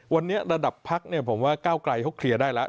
วันนี้ระดับพักเนี่ยผมว่าก้าวไกลเขาเคลียร์ได้แล้ว